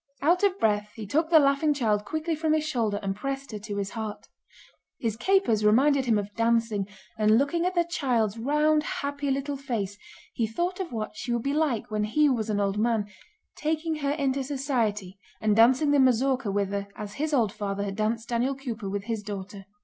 Out of breath, he took the laughing child quickly from his shoulder and pressed her to his heart. His capers reminded him of dancing, and looking at the child's round happy little face he thought of what she would be like when he was an old man, taking her into society and dancing the mazurka with her as his old father had danced Daniel Cooper with his daughter.